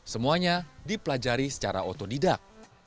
semuanya dipelajari secara otodidak